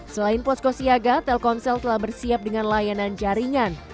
selain posko siaga telkomsel telah bersiap dengan layanan jaringan